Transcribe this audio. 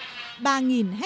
ba hectare hoa màu thiệt hại